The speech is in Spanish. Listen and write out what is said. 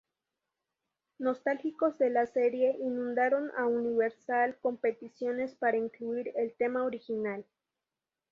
Nostálgicos de la serie inundaron a Universal con peticiones para incluir el tema original.